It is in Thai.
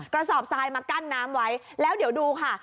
กระสอบทรายมากั้นน้ำไว้แล้วเดี๋ยวดูค่ะ